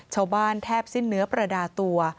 ชาวบ้านแทบสิ้นเนื้อประดาตัว